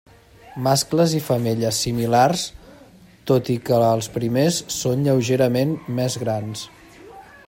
Mascles i femelles similars, tot i que els primers són lleugerament més grans.